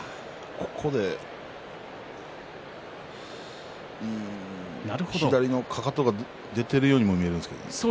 ここで左のかかとが出ているようにも見えるんですけど。